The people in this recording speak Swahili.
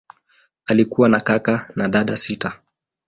Alikuwa na kaka na dada sita.